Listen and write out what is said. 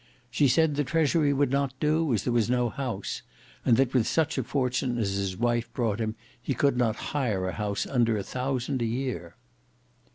She said the Treasury would not do, as there was no house, and that with such a fortune as his wife brought him he could not hire a house under a thousand a year."